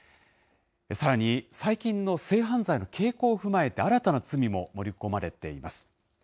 さらに、最近の性犯罪の傾向を踏まえて、新たな罪も盛り込まれています。